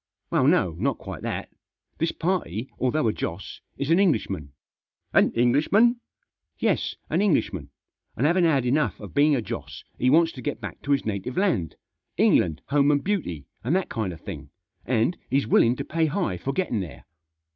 Well, no, not quite that. This party, although a Joss, is an Englishman." " An Englishman 1" " Yes, an Englishman ; and having had enough of being a Joss he wants to get back to his native land, 'England, home and beauty,' and that kind of thing, and he's willing to pay high for getting there."